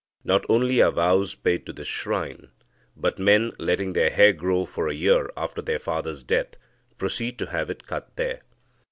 Not only are vows paid to this shrine, but men, letting their hair grow for a year after their father's death, proceed to have it cut there.